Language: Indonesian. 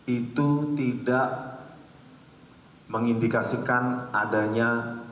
itu tidak mengindikasikan adanya